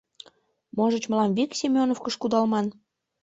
— Можыч, мылам вик Семёновкыш кудалман?